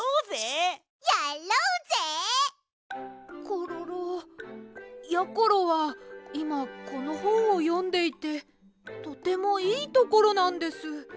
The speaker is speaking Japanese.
コロロやころはいまこのほんをよんでいてとてもいいところなんです。